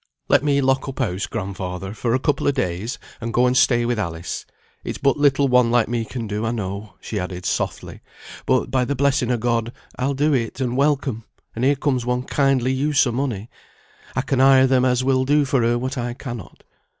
"Let me lock up house, grandfather, for a couple of days, and go and stay with Alice. It's but little one like me can do, I know" (she added softly); "but, by the blessing o' God, I'll do it and welcome; and here comes one kindly use o' money, I can hire them as will do for her what I cannot.